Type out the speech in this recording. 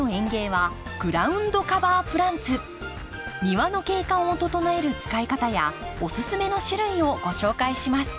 庭の景観を整える使い方やおすすめの種類をご紹介します。